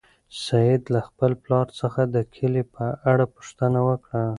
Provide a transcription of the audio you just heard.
سعید له خپل پلار څخه د کلا په اړه پوښتنه وکړه.